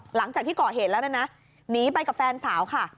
หลังจากที่ก่อเหตุแล้วนะหนีไปกับแฟนสาวค่ะ